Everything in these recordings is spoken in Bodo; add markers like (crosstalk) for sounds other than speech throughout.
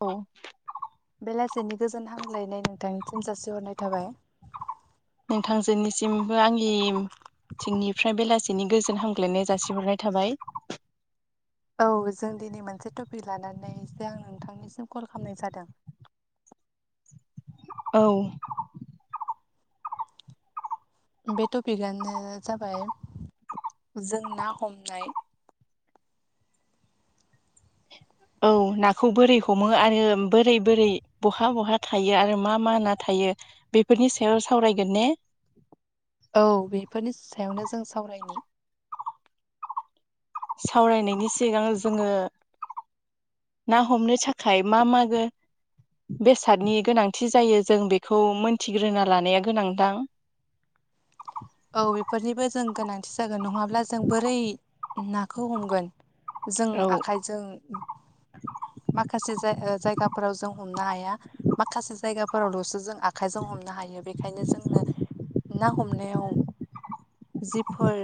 औ बेलासेनि गोजोन हामग्लायनाय नोंथांसिम जासिहरनाय थाबाय नोंथांजोनिसिमबो आंनि थिंनिफ्राय बेलासिनि गोजोन हामग्लायनाय जासिहरनाय थाबाय औ जों दिनै मोनसे टपिक लानानैसो आं नोंथांनिसिम कल खालामनाय जादों औ बे टपिकआनो जाबाय जों ना हमनाय औ नाखौ बोरै हमो आरो बोरै बोरै बहा बहा थायो आरो मा मा ना थायो बेफोरनि सायाव सावरायगोन ने औ बेफोरनि सायावनो जों सावरायनि सावरायनायनि सिगां जोङो ना हमनो थाखाय मा मागो बेसादनि गोनांथि जायो जों बेखौ मोनथिग्रोना लानाया गोनांदां औ बेफोरनिबो जों गोनां जागोन नङाब्ला जों बोरै नाखौ हमगोन जों औ आखाइजों माखासे जाय ओ जायगाफोराव जों हमनो हाया माखासे जायगा फोरावल'सो जों आखाइजों हमनो हायो बेखायनो जोंनो ना हमनायाव जिफोर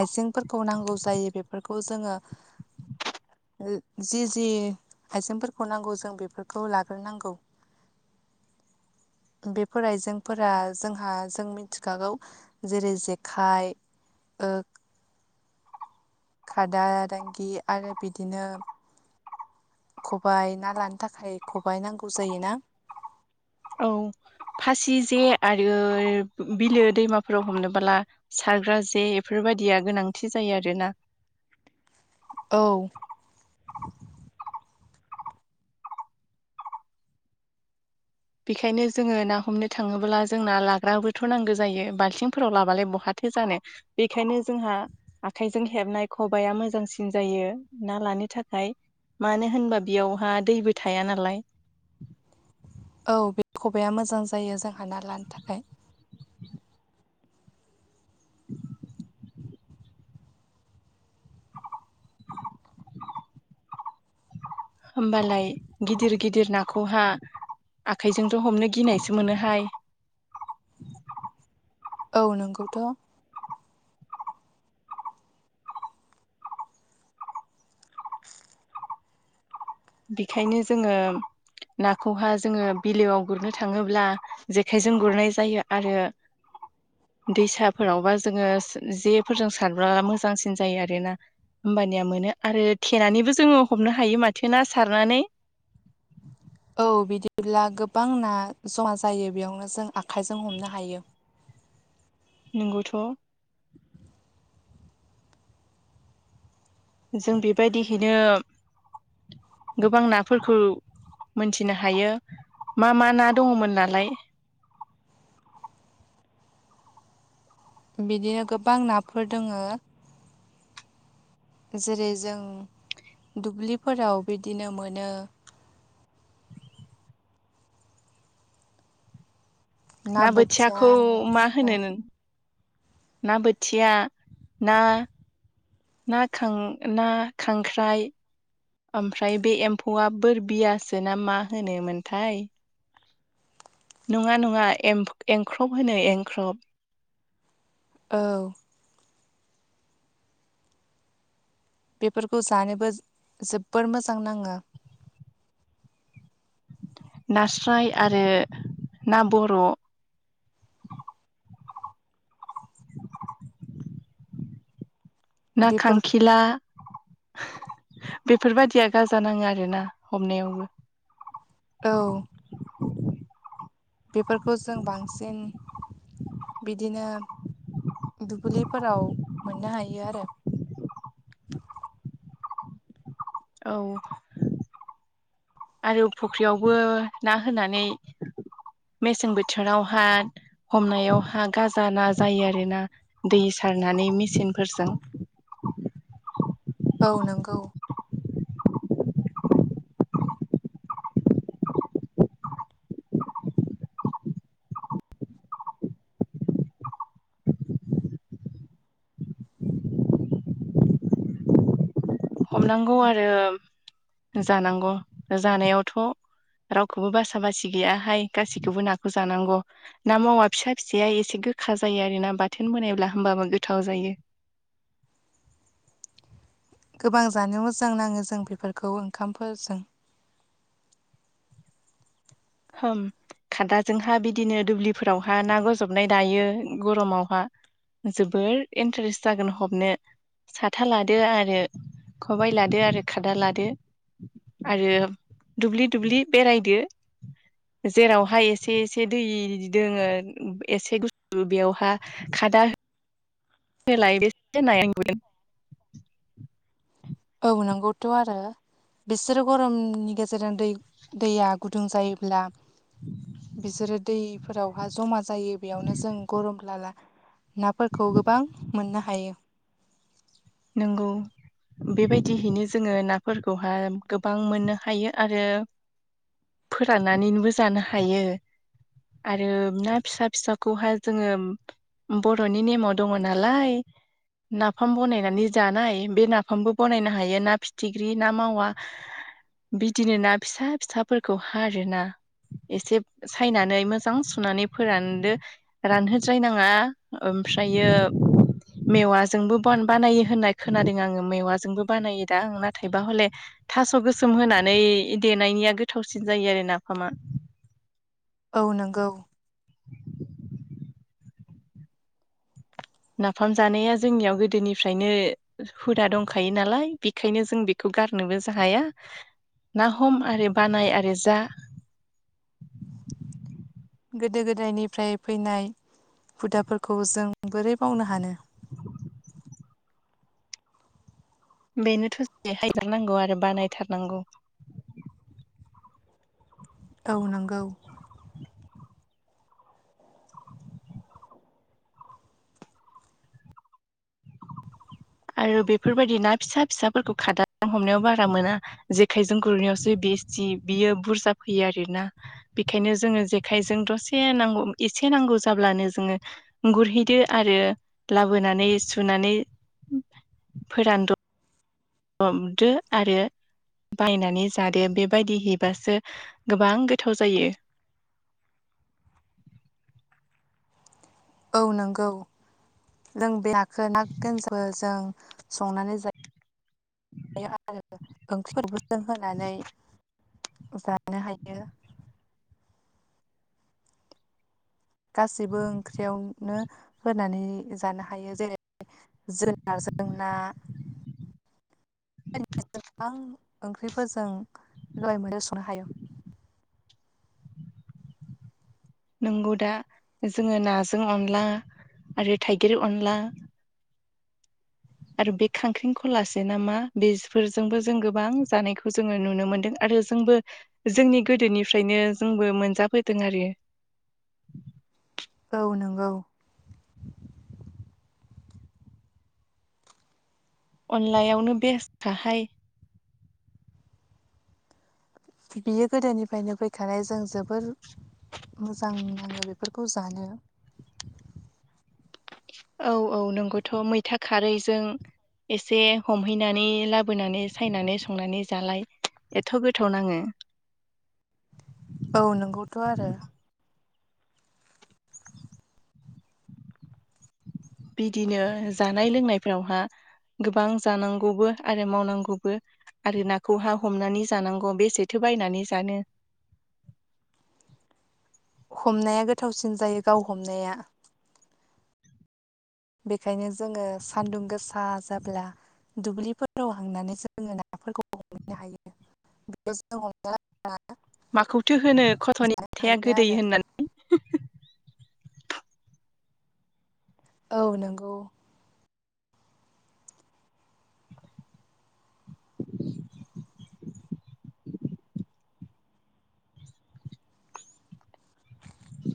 आइजेंफोरखौ नांगौ जायो बेफोरखौ जोङो (unintelligible) जि जि आइजेंफोरखौ नांगौ जों बेफोरखौ लाग्रोनांगौ बेफोर आइजेंफोरा जोंहा जों मिथिखागौ जेरै जेखाइ ओ खादा दांगि आरो बिदिनो खबाय ना लानो थाखाय खबाय नांगौ जायोना औ फासि जे आरो बिलो दैमाफोराव हमनोबाला सारग्रा जे बेफोरबादिया गोनांथि जायो आरोना औ बेखायनो जोङो ना हमनो थाङोब्ला जोंना लाग्राबोथ' नांगौ जायो बालथिंफोराव लाबालाय बहा थो जानो बेखायनो जोंहा आखाइजों हेबनाय खबाइआ मोजांसिन जायो ना लानो थाखाय मानो होनबा बेयावहा दैबो थाया नालाय औ बे खबाइआ मोजां जायो जोंहा ना लानो थाखाय होमबालाय गिदिर गिदिर नाखौहा आखाइजोंथ' हमनो गिनायसो मोनोहाय औ नोंगौथ' बेखायनो जोङो नाखौहा‌ जोङो बिलोआव गुरनो थाङोब्ला जेखाइजों गुरनाय जायो आरो दैसाफोरावबा जोङो सो जेफोरजों सारब्ला मोजांसिन जायो आरोना होमबानिया मोनो आरो थेनानैबो जोङो हमनो हायो माथो ना सारनानै औ बिदिब्ला गोबां ना जमा जायो बेयावनो जों आखाइजों हमनो हायो। नोंगौथ' जों बेबायदिहैनो गोबां नाफोरखौ मोनथिनो हायो मा मा ना दङमोन नालाय बिदिनो गोबां नाफोर दोङो जेरै जों दुब्लिफोराव बिदिनो मोनो ना बोथिया बोथियाखौ मा होनो नास्राय नों ना बोथिया ना ना खां ना खांख्राइ ओमफ्राय बे एम्फौआ बोर बियासोना मा होनोमोनथाय नङा नङा एम्फ एंख्रब होनो एंख्रब औ बेफोरखौ जानोबो जो जोबोर मोजां नाङो नास्राय आरो ना बर' ना बेफोर खांखिला बेफोरबायदिया गाजा नाङो आरोना हमनायावबो औ (inaudible) बेफोरखौ जों बांसिन बिदिनो दुब्लिफोराव मोननो हायो आरो (inaudible) औ आरो फुख्रियावबो ना होनानै मेसें बोथोरावहाय हमनायावहा गाजा ना जायो आरोना दै सारनानै मेचिनफोरजों (inaudible) औ नंगौ हमनांगौ आरो जानांगौ जानायावथ' रावखौबो बासा बासि गैयाहाय गासिखौबो नाखौ जानांगौ ना मावा फिसा फिसाया एसे गोखा जायो आरोना बाथोन बानायोब्ला होमबाबो गोथाव जायो। (inaudible) गोबां जानो मोजां नाङो जों बेफोरखौ ओंखामफोरजों हम खादाजोंहा बिदिनो दुब्लिफोरावहा ना गजबनाय दायो गरमावहा जोबोर इन्टारेस्ट जागोन हबनो साथा लादो आरो खबाय लादो आरो खादा लादो आरो दुब्लि दुब्लि बेरायदो (inaudible) जेरावहाय एसे एसे दै दङो एसे गुसु बेयावहाय खादा हो (unintelligible) औ नंगौथ' आरो बिसोरो गरमनि गेजेरजों दै दैया गु दुं जायोब्ला बिसोरो दैफोरावहा जमा जायो बेयावनो जों गरम लाला नाफोरखौ गोबां मोननो हायो। नंगौ बेबायदिहैनो जोङो नाफोरखौहाय गोबां मोननो हायो आरो फोराननानैनोबो जानो हायो। आरो ना फिसा फिसाखौहाय जोङो बर'नि नेमाव दङ नालाय नाफाम बनायन नानै जानाय बे नाफामबो बानायनो हायो ना फिथिख्रि ना मावा बिदिनो ना फिसा फिसाफोरखौ आरोना। एसे सायनानै मोजां सुनानै फोरानदो रानहोद्रायनाङा ओ ओमफ्राय मेवाजोंबो ब बानायो होननाय खोनादों आङो मेवाजोंबो बानायो दा आं नाथायबा हले थास' गोसोम होनानै बे देनायनिया गोथावसिन जायो आरो नाफामा। (inaudible) औ नंगौ। नाफाम जानाया जोंनियाव गोदोनिफ्रायनो हुदा दंखायो नालाय बेखायनो जों बेखौ गारनोबो हाया ना हम आरो बानाय आरो जा। (inaudible) गोदो गोदायनिफ्राय फैनाय हुदाफोरखौ जों बोरै बावनो हानो? बेनो (inaudible) हायगारनांगौ आरो बानायथारनांगौ। औ नंगौ। आरो बेफोरबायदि ना फिसा फिसाफोरखौ खादाजों हमनायाव बारा मोना जेखायजों गुरनायावसो बि बिसथि बियो बुरजा फैयो आरोना बेखायनो जोङो जेखायजों दसे एसे नांगौ जाब्लानो जोङो गुरहैदो आरो लाबोनानै सुनानै फोरानद हमदो आरो बायनानै जादो बेबायदि हैबासो गोबां गोथाव जायो। (inaudible) औ नोंगौ। लोंबाय ना (unintelligible) खौ ना गोनसबो जों संनानै जायो। आरो ओंख्रिफोरखौ जों होनानै (unintelligible) जानो हायो। गासैबो ओंख्रियावनो होनानै जानो हायो। जेरै जोगोनारजों ना। (inaudible) बे गोबां ओंख्रिफोरजों लाय मोनो संनो हायो। (inaudible) नंगौ दा जोङो नाजों अनला आरो थाइगेर अनला आरो बे खांख्रिंख'लासे नामा बेफोरजोंबो जों गोबां जानायखौ जोङो नुनो मोनदों आरो। आरो जोंबो जोंनि गोदोनिफ्रायनो जोंबो मोनजाबोदों आरो। (inaudible) औ नंगौ। (inaudible) अनलायावनो बेस्थ खाहाय। (inaudible) बियो गोदोनिफ्रायनो फैखानाय जों जोबोर मोजां नाङो बेफोरखौ खौ जानो। (inaudible) औ औ नोंगौथ' मैथा खारैजों एसे हमहैनानै लाबोनानै सायनानै संनानै जालाय एथ' गोथाव नाङो। (inaudible) औ नंगौथ' आरो बिदिनो जानाय लोंनायफ्रावहा गोबां जानांगौबो आरो मावनांगौबो आरो नाखौहा हमनानै जानांगौ बेसेथो बायनानै जानो। (inaudible) हमनाया गोथावसिन जायो गाव हमनाया। बेखायनो जोङो सान्दुं गोसा जाब्ला दुब्लिफोराव हमनानै जानो ना (unintelligible) माखौथो होनो खसथ'नि फिथाइआ हायो गोदै आरो होननानै। औ नोंगौ।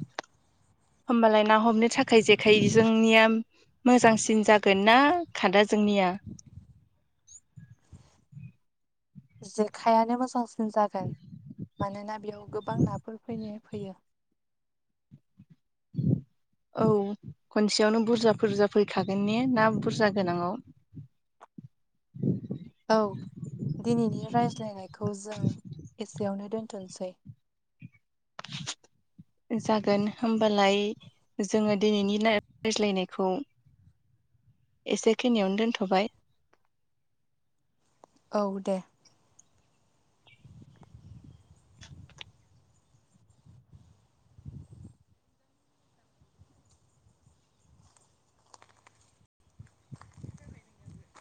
(inaudible) होमबालाय ना हमनो थाखाय जेखाइ जोंनिया मोजांसिन जागोन ना खादा जोंनिया? जेखायानो मोजांसो। जागोन मानोना बेयाव गोबां नाफोर फैनो फैयो। (inaudible) औ खनसेयावनो बुरजा बुरजा फैखागोन ने ना बुरजा गोनाङाव। औ। दिनैनि रायज्लायनायखौ जों एसेयावनो दोनथ'नसै। (inaudible) जागोन होमबालाय जोङो दिनैनि रायज्लायनायखौ एसे खिनियावनो दोनथ'बाय। औ दे।